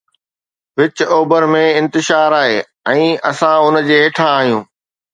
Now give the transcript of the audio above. وچ اوڀر ۾ انتشار آهي ۽ اسان ان جي هيٺان آهيون.